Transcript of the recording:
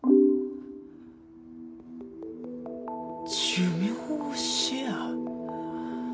寿命をシェア？